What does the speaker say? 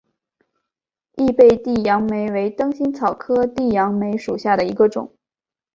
异被地杨梅为灯心草科地杨梅属下的一个种。